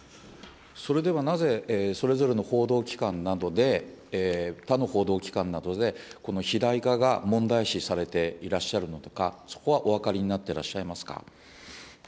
それではなぜ、それぞれの報道機関などで、他の報道機関などで、この肥大化が問題視されていらっしゃるのとか、そこはお分かりになってらっしゃいますか。